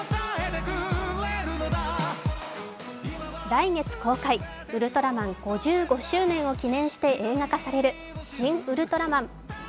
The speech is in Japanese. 来月公開、「ウルトラマン」５５周年を記念して映画化される「シン・ウルトラマン」